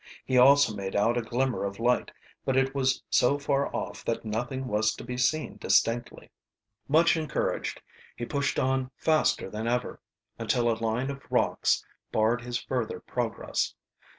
He also made out a glimmer of light, but it was so far off that nothing was to be seen distinctly. Much encouraged, he pushed on faster than ever, until a line of rocks barred his further progress.